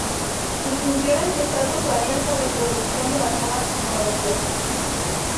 Sus funciones y estatus varían con la introducción de las nuevas tecnologías.